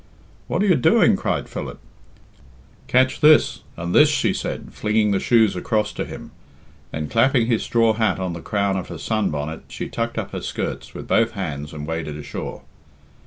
"What are you doing?" cried Philip. "Catch this and this," she said, flinging the shoes across to him. Then clapping his straw hat on the crown of her sun bonnet, she tucked up her skirts with both hands and waded ashore.